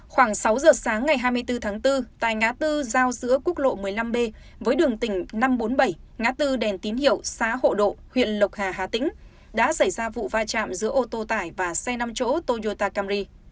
khoảng sáu giờ sáng ngày hai mươi bốn tháng bốn tại ngã tư giao giữa quốc lộ một mươi năm b với đường tỉnh năm trăm bốn mươi bảy ngã tư đèn tín hiệu xã hộ độ huyện lộc hà hà tĩnh đã xảy ra vụ va chạm giữa ô tô tải và xe năm chỗ toyota camry